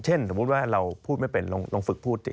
สมมุติว่าเราพูดไม่เป็นลองฝึกพูดสิ